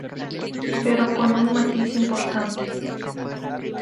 Pero con un matiz importante.